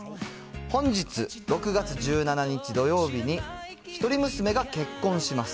本日６月１７日土曜日に、一人娘が結婚します。